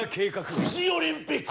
富士オリンピック！